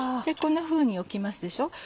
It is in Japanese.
こんなふうに置きますでしょ